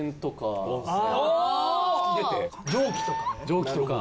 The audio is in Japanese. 蒸気とか。